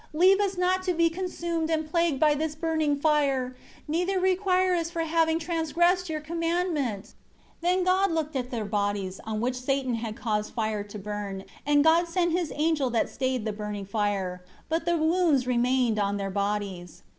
Leave us not to be consumed and plagued by this burning fire; neither require us for having transgressed Your commandment." 3 Then God looked at their bodies, on which Satan had caused fire to burn, and God sent His angel that stayed the burning fire. But the wounds remained on their bodies.